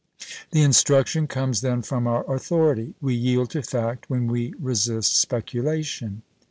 The instruction comes then from our authority; we yield to fact, when we resist speculation."